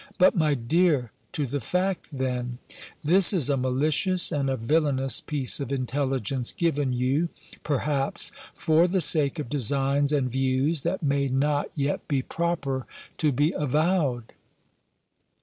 "But, my dear, to the fact then: This is a malicious and a villainous piece of intelligence, given you, perhaps, for the sake of designs and views, that may not yet be proper to be avowed."